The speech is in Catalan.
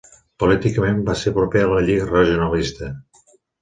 Políticament va ser proper a la Lliga Regionalista.